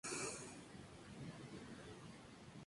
Hay que ser valientes y tomar el toro por los cuernos